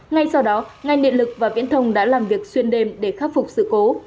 ngay sau đó ngành điện lực và viễn thông đã làm việc xuyên đêm để khắc phục sự cố